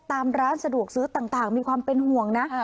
ตามร้านสะดวกซื้อต่างมีความเป็นห่วงนะ